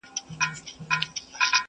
بې منزله مسافر یم، پر کاروان غزل لیکمه.!